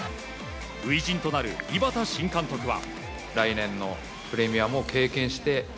初陣となる井端新監督は。